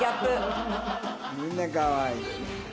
みんなかわいい。